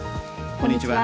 こんにちは。